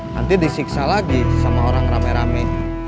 nanti disiksa lagi sama orang rame rame